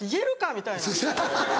みたいな。